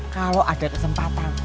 kalau ada kesempatan